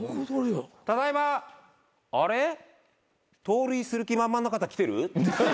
盗塁する気満々な方来てる？